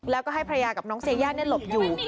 แล้วก็ให้ภรรยากับน้องเซย่าหลบอยู่